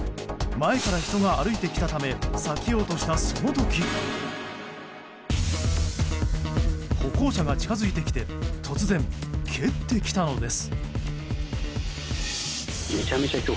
前から人が歩いてきたため避けようとしたその時歩行者が近づいてきて突然、蹴ってきたのです。